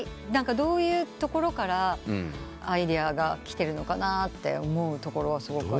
どういうところからアイデアがきてるのかなって思うところはすごくあります。